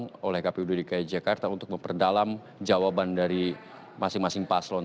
yang terakhir adalah pertanyaan yang diberikan oleh kpu dki jakarta untuk memperdalam jawaban dari masing masing paslon